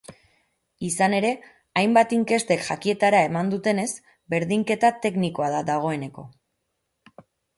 Izan ere, hainbat inkestek jakietara eman duenez, berdinketa teknikoa da dagoeneko.